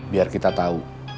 biar kita tahu